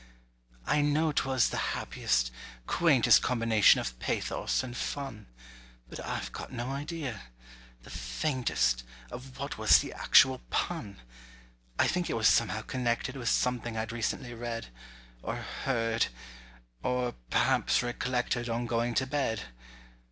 I know 'twas the happiest, quaintest Combination of pathos and fun: But I've got no idea—the faintest— Of what was the actual pun. I think it was somehow connected With something I'd recently read— Or heard—or perhaps recollected On going to bed.